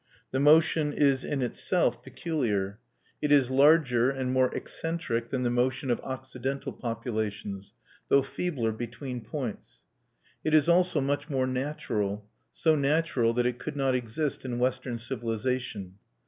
The motion is in itself peculiar. It is larger and more eccentric than the motion of Occidental populations, though feebler between points. It is also much more natural, so natural that it could not exist in Western civilization.